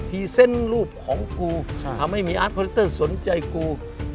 รีเซนต์รูปของกูทำให้มีอาร์ตคอนิเตอร์สนใจกู